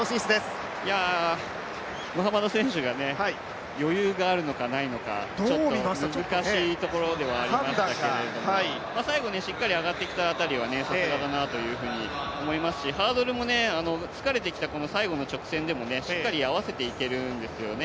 ムハマド選手が余裕があるのかないのか、ちょっと難しいところではありましたけれども、最後しっかり上がってきた辺りはさすがだなと思いますしハードルも疲れてきた最後の直線でもしっかり合わせていけるんですよね。